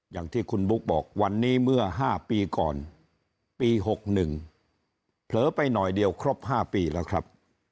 อย่างที่คุณบุ๊คบอกวันนี้เมื่อ๕ปีก่อนปี๖๑เผลอไปหน่อยเดียวครบ๕ปีแล้วครับ